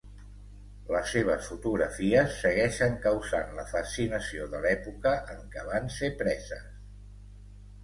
Les seves fotografies segueixen causant la fascinació de l'època en què van ser preses.